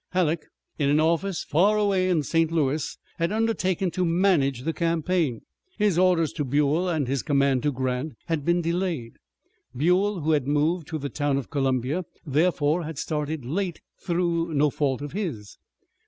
Halleck, in an office far away in St. Louis, had undertaken to manage the campaign. His orders to Buell and his command to Grant had been delayed. Buell, who had moved to the town of Columbia, therefore had started late through no fault of his.